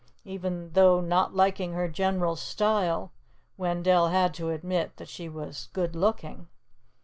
Even though not liking her general style, Wendell had to admit that she was good looking.